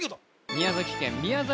宮崎県宮崎